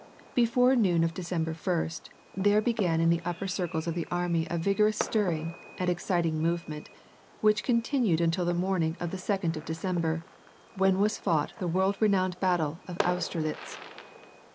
Before noon of December first, there began in the upper circles of the army a vigorous stirring, and exciting movement, which continued until the morning of the second of December, when was fought the world renowned battle of Austerlitz.